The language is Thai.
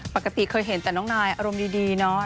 ปกติเคยเห็นแต่น้องนายอารมณ์ดีเนาะ